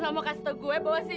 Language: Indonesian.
dadah aja deh kamuli